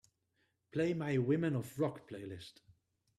Play my Women of Rock playlist.